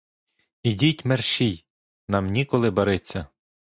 Ідіть мерщій, — нам ніколи бариться!